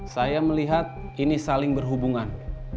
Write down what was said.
saya melihat ini saling berhubungan